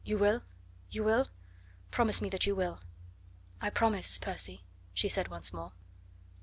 You will? you will? Promise me that you will " "I promise, Percy," she said once more.